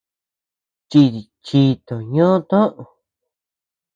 Chito ñö toʼö.